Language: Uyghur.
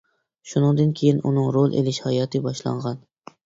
شۇنىڭدىن كېيىن ئۇنىڭ رول ئېلىش ھاياتى باشلانغان.